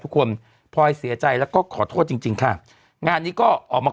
ทุกคนพอให้เสียใจแล้วก็ขอโทษจริงค่ะงานนี้ก็ออกมา